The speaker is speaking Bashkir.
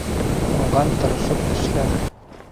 Уңған тырышып эшләр